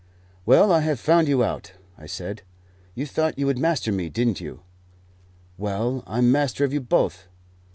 "Well, I have found you out," I said. "You thought you would master me, didn't you?" "Well, I'm master of you both.